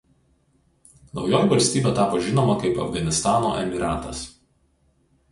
Naujoji valstybė tapo žinoma kaip Afganistano emyratas.